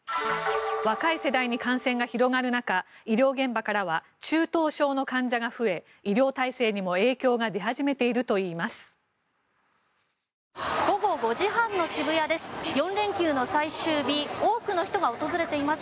若い世代に感染が広がる中医療現場では中等症の患者が増え医療体制にも影響が出始めているといいます。